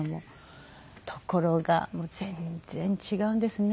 ところが全然違うんですね